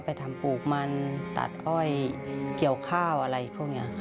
ทำปลูกมันตัดอ้อยเกี่ยวข้าวอะไรพวกนี้